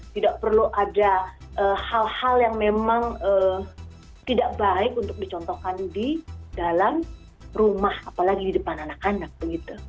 tidak perlu ada hal hal yang memang tidak baik untuk dicontohkan di dalam rumah apalagi di depan anak anak begitu